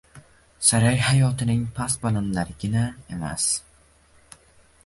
Saroy hayotining past-balandlarinigina emas